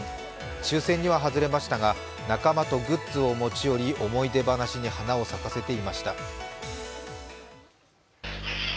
抽選には外れましたが仲間とグッズを持ち寄り思い出話に花を咲かせていました。